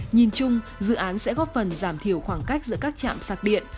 nhìn chung dự án sẽ góp phần giảm thiểu khoảng cách giữa các trạm sạc điện